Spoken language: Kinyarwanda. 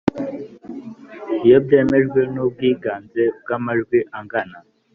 Iyo byemejwe n ubwinganze bw amajwi angana